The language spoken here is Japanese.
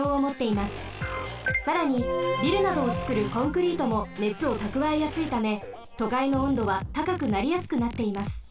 さらにビルなどをつくるコンクリートもねつをたくわえやすいためとかいの温度はたかくなりやすくなっています。